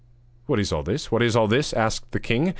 'What is all this? what is all this?' asked the king.